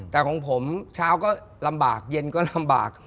แต่ของผมเช้าก็ลำบากเย็นก็ลำบาก